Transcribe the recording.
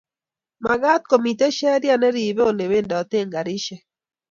magat komiten Sheria neribe olebenditoi karishek